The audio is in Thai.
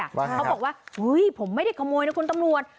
เขาบอกว่าเฮ้ยผมไม่ได้ขโมยนะคุณตำรวจ